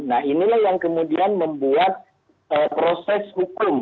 nah inilah yang kemudian membuat proses hukum